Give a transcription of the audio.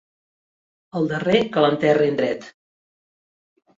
El darrer que l'enterrin dret.